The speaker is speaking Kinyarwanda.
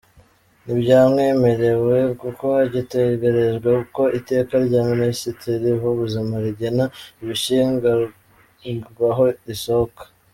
ntibyamwemerewe kuko hagitegerejwe ko iteka rya Minisitiri w’Ubuzima rigena ibishingirwaho risohoka.